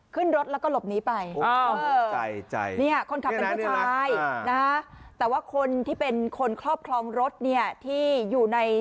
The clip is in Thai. ขึ้นรถและก็หลบนี้ไป